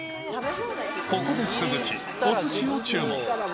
ここで鈴木、おすしを注文。